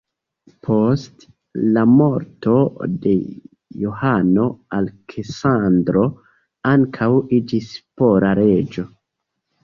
Post la morto de Johano, Aleksandro ankaŭ iĝis pola reĝo.